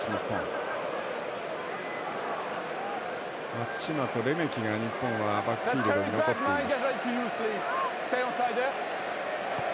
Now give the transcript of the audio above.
松島とレメキが日本はバックフィールドに残っています。